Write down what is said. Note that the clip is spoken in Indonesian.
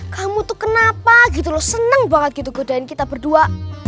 kamu tuh kenapa gitu loh seneng banget gitu godain kita berdua